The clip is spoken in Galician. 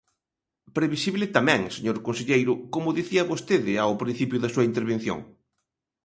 Previsible tamén, señor conselleiro, como dicía vostede ao principio da súa intervención.